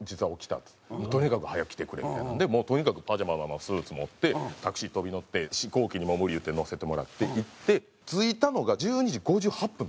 とにかく早く来てくれみたいなんでパジャマのままスーツ持ってタクシー飛び乗って飛行機にも無理言って乗せてもらって行って着いたのが１２時５８分とかなんですよ。